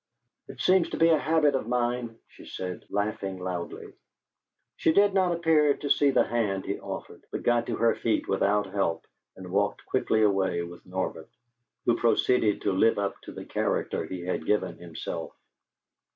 "It seems to be a habit of mine," she said, laughing loudly. She did not appear to see the hand he offered, but got to her feet without help and walked quickly away with Norbert, who proceeded to live up to the character he had given himself.